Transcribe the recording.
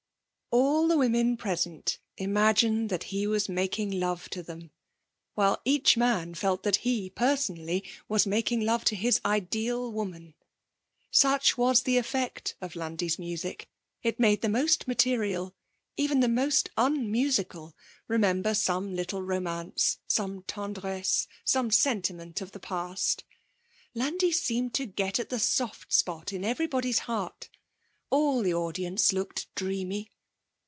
All the women present imagined that he was making love to them, while each man felt that he, personally, was making love to his ideal woman. Such was the effect of Landi's music. It made the most material, even the most unmusical, remember some little romance, some tendresse, some sentiment of the past; Landi seemed to get at the soft spot in everybody's heart. All the audience looked dreamy.